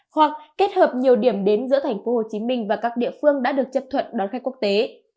hoặc kết hợp nhiều điểm đến giữa tp hcm và các địa phương đã được chấp thuận đón khách quốc tế